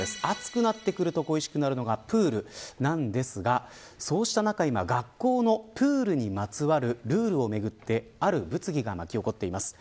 暑くなってくると恋しくなるのがプールなんですがそうした中、今学校のプールにまつわるルールをめぐってある物議が巻き起こっています。